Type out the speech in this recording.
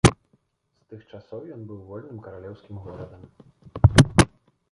З тых часоў ён быў вольным каралеўскім горадам.